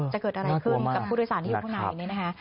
จะเกิดอะไรขึ้นกับผู้โดยสารที่อยู่ข้างในนี่นะคะ